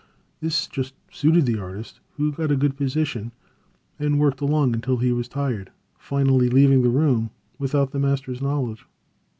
This just suited the artist, who got a good position and worked along until he was tired, finally leaving the room without the master's knowledge.